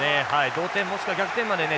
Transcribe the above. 同点もしくは逆転までね